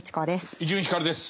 伊集院光です。